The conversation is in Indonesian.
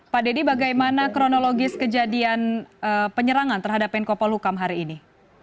pak deddy bagaimana kronologis kejadian penyerangan terhadap menko polukam hari ini